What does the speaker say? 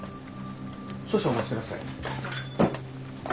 少々お待ちください。